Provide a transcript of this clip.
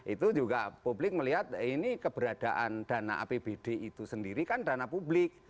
itu juga publik melihat ini keberadaan dana apbd itu sendiri kan dana publik